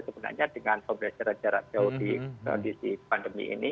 sebenarnya dengan pembelajaran jarak jauh di kondisi pandemi ini